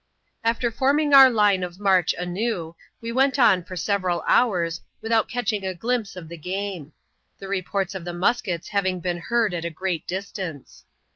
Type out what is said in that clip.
After forming our line of march anew, we went on for several hours, without catching a glimpse of the game; the reports of the muskets having been heard at a great distance.